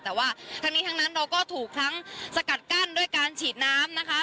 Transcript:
แต่ว่าทั้งนี้ทั้งนั้นเราก็ถูกทั้งสกัดกั้นด้วยการฉีดน้ำนะคะ